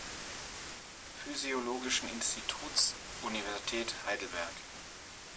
Physiologischen Instituts, Universität Heidelberg.